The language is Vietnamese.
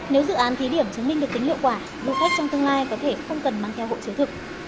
nếu dự án thí điểm chứng minh được tính hiệu quả du khách trong tương lai có thể không cần mang theo hộ chiếu thực